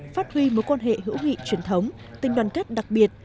phát huy mối quan hệ hữu nghị truyền thống tình đoàn kết đặc biệt